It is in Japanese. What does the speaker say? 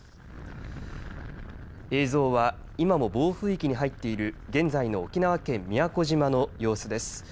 映像は、今も暴風域に入っている現在の沖縄県宮古島の様子です。